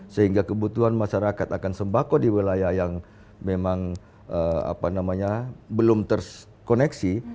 sehingga kebutuhan masyarakat akan sembako di wilayah yang memang belum terkoneksi